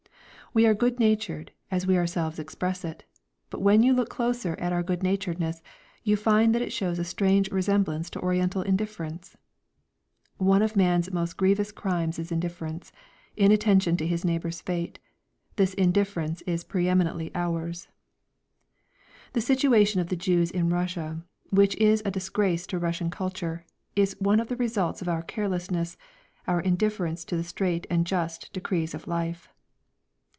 We are good natured, as we ourselves express it. But when you look closer at our good naturedness, you find that it shows a strange resemblance to Oriental indifference. One of man's most grievous crimes is indifference, inattention to his neighbour's fate; this indifference is pre eminently ours. The situation of the Jews in Russia, which is a disgrace to Russian culture, is one of the results of our carelessness, of our indifference to the straight and just decrees of life.